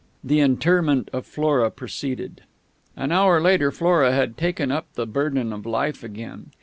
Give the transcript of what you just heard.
The interment of Flora proceeded.... An hour later Flora had taken up the burden of Life again.